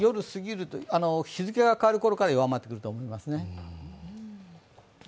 日付が変わるころから弱まってくると思いますね。